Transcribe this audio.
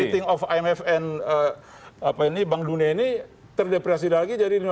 meeting of imfn bank dunia ini terdepresiasi lagi jadi rp lima belas dua ratus lima puluh